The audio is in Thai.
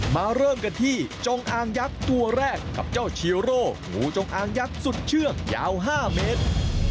เริ่มกันที่จงอางยักษ์ตัวแรกกับเจ้าชีโร่งูจงอางยักษ์สุดเชือกยาว๕เมตร